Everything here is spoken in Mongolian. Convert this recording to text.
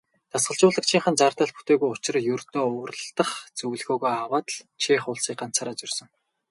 Дасгалжуулагчийнх нь зардал бүтээгүй учир ердөө уралдах зөвлөгөөгөө аваад л Чех улсыг ганцаараа зорьсон.